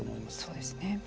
そうですね。